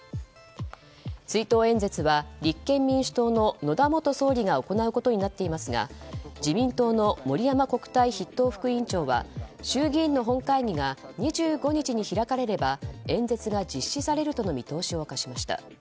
追悼演説は立憲民主党の野田元総理が行うことになっていますが自民党の盛山国対筆頭副委員長は衆議院の本会議が２５日に開かれれば演説が実施されるとの見通しを明かしました。